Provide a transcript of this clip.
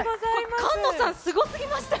菅野さん、すごすぎましたよ